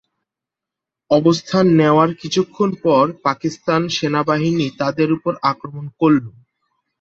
অবস্থান নেওয়ার কিছুক্ষণ পর পাকিস্তান সেনাবাহিনী তাদের ওপর আক্রমণ করল।